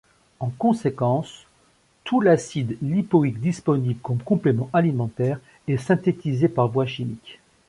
En conséquence, tout l'acide lipoïque disponible comme complément alimentaire est synthétisé par voie chimique.